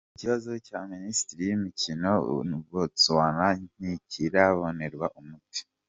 Ikibazo cya minisiteri yimikino na Botsuwana ntikirabonerwa umuti